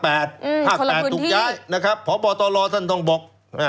ภาค๘ถูกย้ายพบตลต้องบอก